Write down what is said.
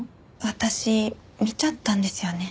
私見ちゃったんですよね。